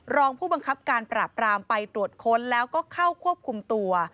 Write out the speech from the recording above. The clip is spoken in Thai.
รองผู้บังคับการปราบรามไปตรวจค้นแล้วก็เข้าควบคุมตัว